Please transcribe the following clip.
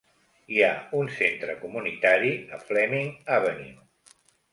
Hi ha un centre comunitari a Fleming Avenue.